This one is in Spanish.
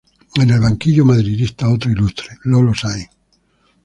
En el banquillo madridista otro ilustre: Lolo Sáinz.